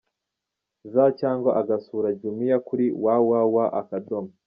za cyangwa agasura Jumia kuri www.